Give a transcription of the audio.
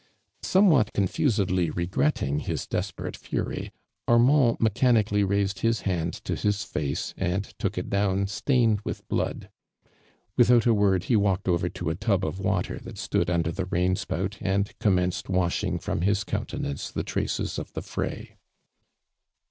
Somewhat confusedly regretting his des jter.ue fiu y, .Arnvind mechanically raised liis hanil to his face and took it down stain ed with blood. Without a word he walked over to a tuh of water that stood imder the rain spout and commenced washing from hi.s I'Ountenance the traces of the fray.